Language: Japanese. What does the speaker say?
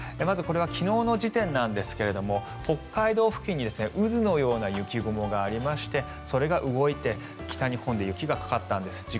これは昨日の時点なんですが北海道付近に渦のような雪雲がありましてそれが動いて北日本で雪がかかったんです。